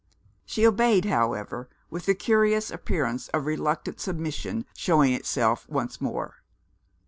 She obeyed, however, with the curious appearance of reluctant submission showing itself once more.